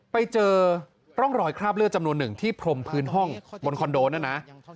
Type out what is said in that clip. ไปเจอร่องรอยคราบเลือดจำนวนหนึ่งที่พรมพื้นห้องบนคอนโดนะนะ